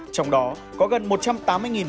trong đó có gần một lượt du khách